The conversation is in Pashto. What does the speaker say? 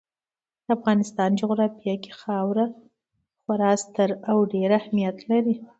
د افغانستان جغرافیه کې خاوره خورا ستر او ډېر اهمیت لري.